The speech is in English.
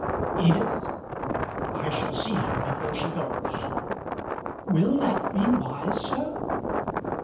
"Edith, I shall see her before she goes." "Will that be wise, sir?"